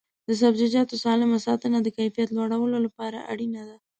د سبزیجاتو سالم ساتنه د کیفیت لوړولو لپاره اړینه ده.